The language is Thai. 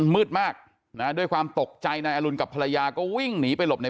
มืดมากนะด้วยความตกใจนายอรุณกับภรรยาก็วิ่งหนีไปหลบใน